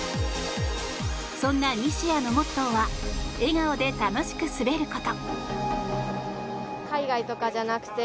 そんな西矢のモットーは笑顔で楽しく滑ること。